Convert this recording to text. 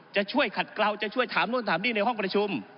จะช่วยขัดเกลาจะช่วยถามนู่นถามนี่ในห้องประชุม